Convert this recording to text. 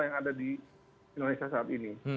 yang ada di indonesia saat ini